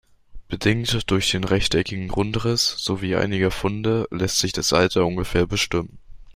Bedingt durch den rechteckigen Grundriss sowie einiger Funde lässt sich das Alter ungefähr bestimmen.